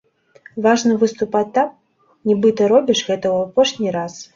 Важна выступаць так, нібыта робіш гэта ў апошні раз.